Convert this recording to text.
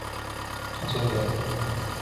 아직요.